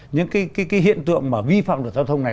những cái hiện tượng mà vi phạm luật giao thông này